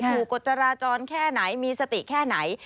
กฎจราจรแค่ไหนมีสติแค่ไหน